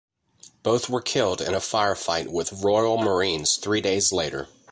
Both were killed in a firefight with Royal Marines three days later.